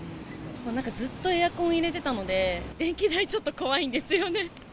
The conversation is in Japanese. なんかずっとエアコン入れてたので、電気代、ちょっと怖いんですよね。